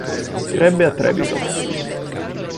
Crebbe a Trebišov.